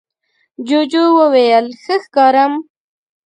جوجو وویل ښه ښکارم؟